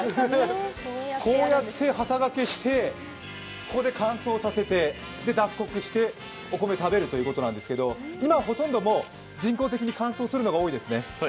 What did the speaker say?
こうやって、はさがけしてここで乾燥させて脱穀してお米を食べるということなんですけど今ほとんど人工的に乾燥するのが多いですね。